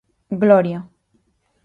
Gloria.